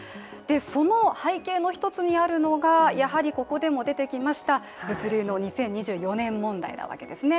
その背景の一つにあるのがやはりここでも出てきました物流の２０２４年問題なわけですね。